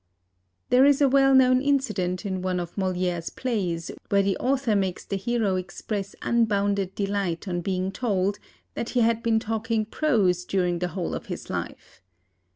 There is a well known incident in one of Moliere's plays, where the author makes the hero express unbounded delight on being told that he had been talking prose during the whole of his life.